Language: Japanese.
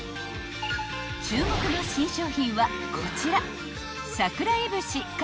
［注目の新商品はこちら］